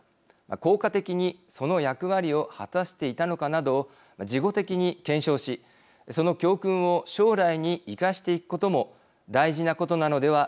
効果的にその役割を果たしていたのかなどを事後的に検証しその教訓を将来に生かしていくことも大事なことなのではないでしょうか。